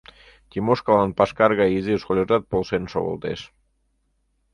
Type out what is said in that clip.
Тимошкалан пашкар гай изи шольыжат полшен шогылтеш: